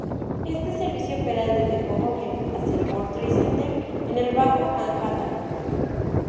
Este servicio opera desde Hoboken hacia el World Trade Center en el Bajo Manhattan.